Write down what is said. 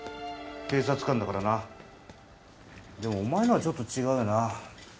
警察官だからなでもお前のはちょっと違うよな